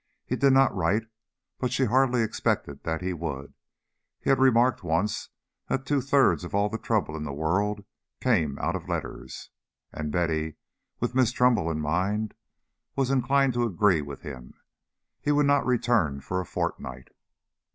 He did not write, but she hardly expected that he would. He had remarked once that two thirds of all the trouble in the world came out of letters, and Betty, with Miss Trumbull in mind, was inclined to agree with him. He would not return for a fortnight.